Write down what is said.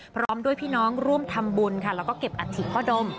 พร้อมด้วยพี่น้องร่วมทำบุญค่ะแล้วก็เก็บอัฐิพ่อดม